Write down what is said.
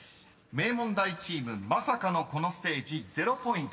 ［名門大チームまさかのこのステージ０ポイントでした］